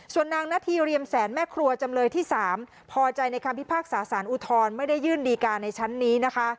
ส่วนนางนาธีเรียมแสนแม่ครัวจำเลยที่๓พอใจในคำพิพากษาสารอุทธรณ์ไม่ได้ยื่นดีการในชั้นนี้นะคะ